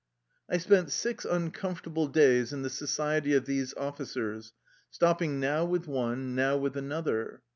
I spent six uncomfortable days in the society of these officers, stopping now with one, now with another.